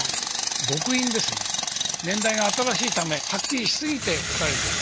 極印ですね年代が新しいためはっきりしすぎて打たれている。